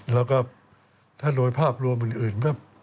แล้วก็ถ้าโดยภาพรวมอื่นก็